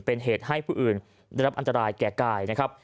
เป็นเหตุให้ผู้อื่นได้รับอันตรายแก่กายนะครับ